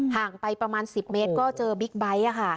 ห่างไปประมาณ๑๐เมตรก็เจอบิ๊กไบท์